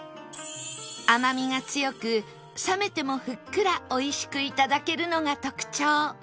甘みが強く冷めてもふっくら美味しく頂けるのが特徴